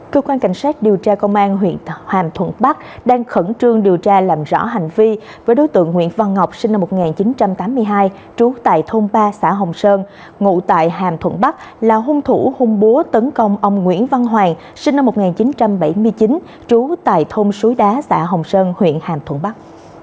cơ quan cảnh sát điều tra công an huyện hàm thuận bắc đang khẩn trương điều tra làm rõ hành vi với đối tượng nguyễn văn ngọc sinh năm một nghìn chín trăm tám mươi hai trú tại thôn ba xã hồng sơn ngụ tại hàm thuận bắc là hung thủ hung búa tấn công ông nguyễn văn hoàng sinh năm một nghìn chín trăm bảy mươi chín trú tại thôn suối đá xã hồng sơn huyện hàm thuận bắc